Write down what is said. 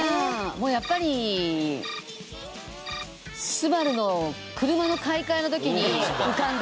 もうやっぱりスバルの車の買い替えの時に浮かんだ。